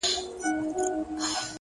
علم د عقل بنسټ دی.!